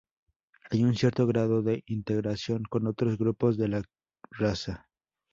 Hay un cierto grado de integración con otros grupos de la raza.